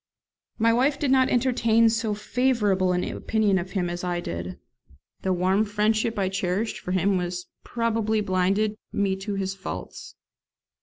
My wife did not entertain so favourable an opinion of him as I did; the warm friendship I cherished for him probably blinded me to his faults.